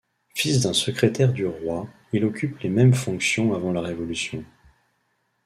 Fils d'un secrétaire du roi, il occupe les mêmes fonctions avant la Révolution.